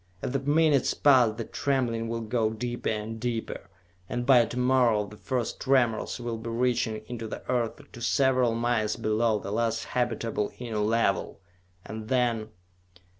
As the minutes pass the trembling will go deeper and deeper, and by to morrow the first tremors will be reaching into the Earth to several miles below the last habitable Inner Level! And then....